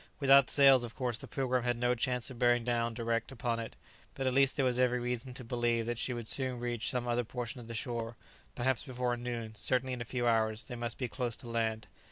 Without sails, of course, the "Pilgrim" had no chance of bearing down direct upon it; but at least there was every reason to believe that she would soon reach some other portion of the shore; perhaps before noon, certainly in a few hours, they must be close to land.